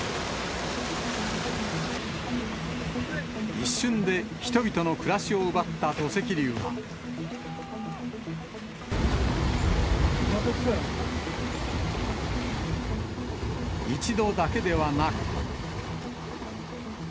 一瞬で人々の暮らしを奪ったまた来たよ。一度だけではなく。